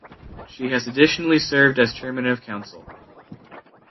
She has additionally served as Chairman of Council.